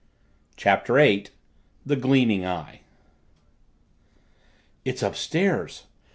CHAPTER EIGHT THE GLEAMING EYE "It's upstairs!"